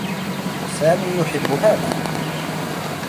سامي يحبّ هذا.